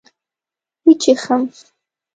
وچيښم